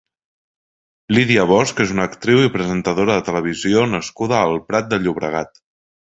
Lydia Bosch és una actriu i presentadora de televisió nascuda al Prat de Llobregat.